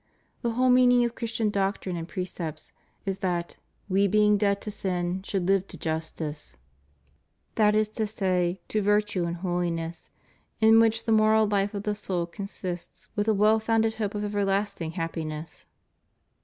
The whole meaning of Christian doctrine and precepts is that we being dead to sin, should live to justice ^ that is to say, to virtue and holiness, in which the moral life of the soul consists with the well foimded hope of everlasting happi ness.